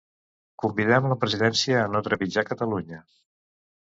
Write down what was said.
“Convidem la presidència a no trepitjar Catalunya”.